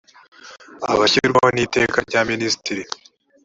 abashyirwaho n iteka rya minisitiri